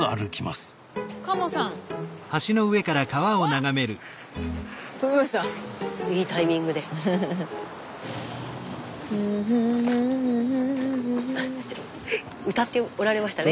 スタジオ歌っておられましたね